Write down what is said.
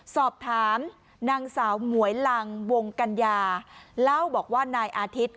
สอบถามนางสาวหมวยลังวงกัญญาเล่าบอกว่านายอาทิตย์